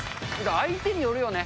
相手によるよね。